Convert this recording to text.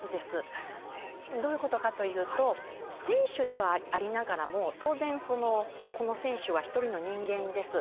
どういうことかというと、選手でありながらも当然、この選手は一人の人間です。